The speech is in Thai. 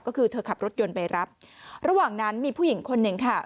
ก็คือเธอขับรถยนต์ไปรับระหว่างนั้นมีผู้หญิงคนหนึ่งค่ะ